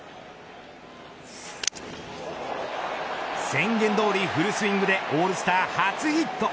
宣言どおりフルスイングでオールスター初ヒット。